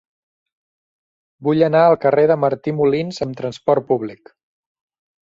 Vull anar al carrer de Martí Molins amb trasport públic.